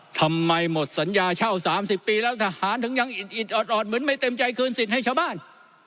ทำไมหมดสัญญาเช่า๓๐ปีแล้วทหารถึงยังอิดออดเหมือนไม่เต็มใจคืนสิทธิ์ให้ชาวบ้าน